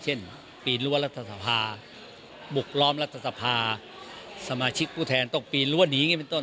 เช่นปีนรัวรัฐสภาบุคล้อมรัฐสภาสมาชิกผู้แทนต้องปีนรัวหนี